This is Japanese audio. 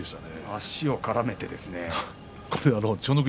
足を絡めてですね。